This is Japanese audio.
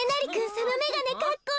そのめがねかっこいい。